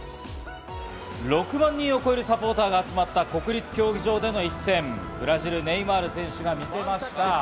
６万人を超えるサポーターが集まった国立競技場での一戦、ブラジル、ネイマール選手が見せました。